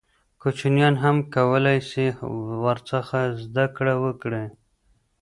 کوچنیان هم کولای سي ورڅخه زده کړه وکړي.